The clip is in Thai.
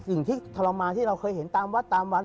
ที่ทรมานที่เราเคยเห็นตามวัดตามวัด